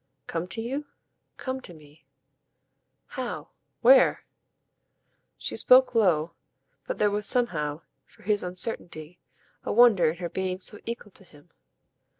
"Come to you?" "Come to me." "How? Where?" She spoke low, but there was somehow, for his uncertainty, a wonder in her being so equal to him.